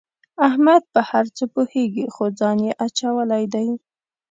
احمد په هر څه پوهېږي خو ځان یې اچولی دی.